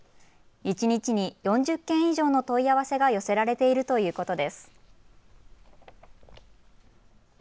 一日に４０件以上の問い合わせが寄せられているということです。